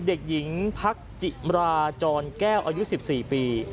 เด็กหญิงพักจิมราจรแก้วอายุ๑๔ปี